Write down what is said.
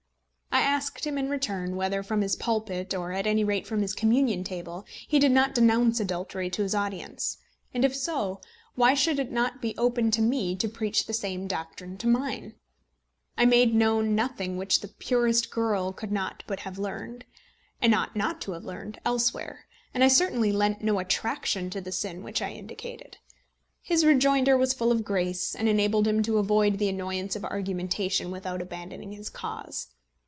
I asked him in return, whether from his pulpit, or at any rate from his communion table, he did not denounce adultery to his audience; and if so, why should it not be open to me to preach the same doctrine to mine. I made known nothing which the purest girl could not but have learned, and ought not to have learned, elsewhere, and I certainly lent no attraction to the sin which I indicated. His rejoinder was full of grace, and enabled him to avoid the annoyance of argumentation without abandoning his cause.